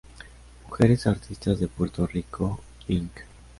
Mujeres Artistas de Puerto Rico, Inc.